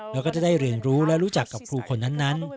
แล้วก็จะได้เรียนรู้และรู้จักกับครูคนนั้น